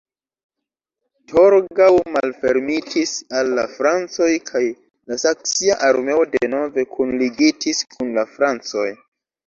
Torgau malfermitis al la francoj kaj la saksia armeo denove kunligitis kun la francoj.